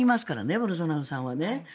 ボルソナロさんはね。